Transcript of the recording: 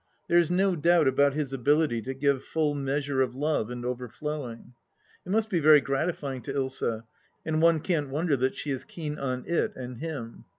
There is no doubt about his ability to give full measure of love and overflowing. It must be very gratifying to Ilsa, and one can't wonder that she is keen on it and him.